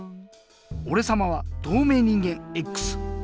おれさまはとうめい人間Ｘ。